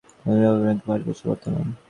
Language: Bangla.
অতি ভয়ানক ঘৃণ্য কুসংস্কারসকল ভারতবর্ষে বর্তমান।